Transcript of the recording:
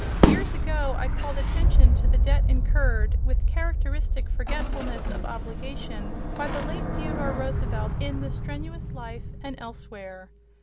Years ago I called attention to the debt incurred with characteristic forgetfulness of obligation by the late Theodore Roosevelt, in "The Strenuous Life" and elsewhere.